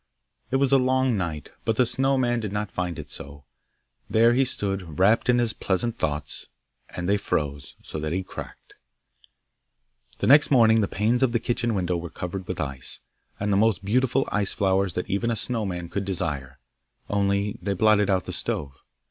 It was a long night, but the Snow man did not find it so; there he stood, wrapt in his pleasant thoughts, and they froze, so that he cracked. Next morning the panes of the kitchen window were covered with ice, and the most beautiful ice flowers that even a snow man could desire, only they blotted out the stove.